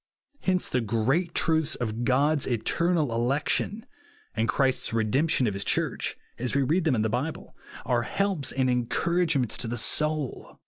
Hence the great truths of God'a eternal election, and Christ's redemption of his Church, as we read them in the Bible, are helps and encouragements to the soul.